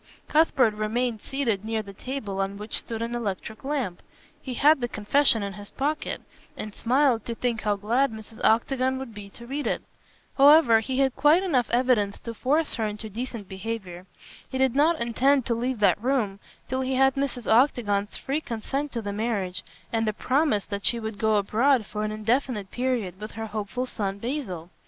Cuthbert remained seated near the table on which stood an electric lamp. He had the confession in his pocket, and smiled to think how glad Mrs. Octagon would be to read it. However, he had quite enough evidence to force her into decent behavior. He did not intend to leave that room till he had Mrs. Octagon's free consent to the marriage and a promise that she would go abroad for an indefinite period with her hopeful son, Basil.